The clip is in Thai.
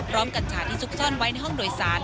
กัญชาที่ซุกซ่อนไว้ในห้องโดยสาร